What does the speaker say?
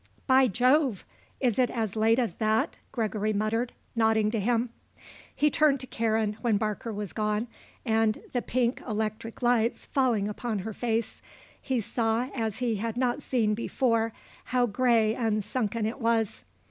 "By Jove, is it as late as that," Gregory muttered, nodding to him. He turned to Karen when Barker was gone and, the pink electric lights falling upon her face, he saw as he had not seen before how grey and sunken it was.